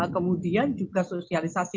kemudian juga sosialisasi